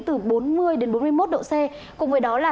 từ bốn mươi đến bốn mươi một độ c cùng với đó là